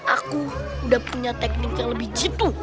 aku udah punya teknik yang lebih jiple